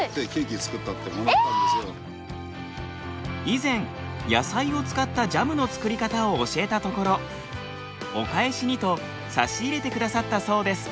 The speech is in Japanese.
以前野菜を使ったジャムの作り方を教えたところお返しにと差し入れてくださったそうです。